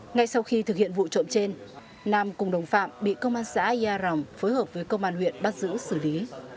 ngay sau khi thực hiện vụ trộm trên nam cùng đồng phạm bị công an xã ia rồng phối hợp với công an huyện bắt giữ xử lý